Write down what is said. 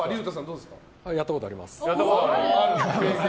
やったことあります。